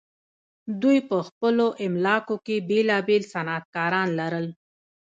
دوی په خپلو املاکو کې بیلابیل صنعتکاران لرل.